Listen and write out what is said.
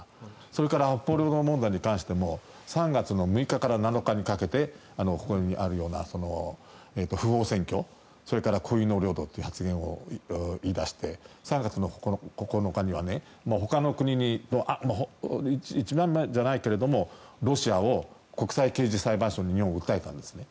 それから北方領土問題に関しても３月の６日から７日にかけてここにあるような不法占拠それから固有の領土という発言を言い出して３月９日には、ほかの国に一番じゃないけどロシアを国際刑事裁判所に日本は訴えたんですね。